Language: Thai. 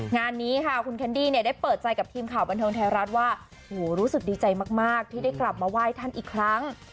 งานนี้ค่ะคุณแคนดี้เนี่ยได้เปิดใจกับทีมข่าวบันเทิงไทยรัฐว่ารู้สึกดีใจมากที่ได้กลับมาไหว้ท่านอีกครั้ง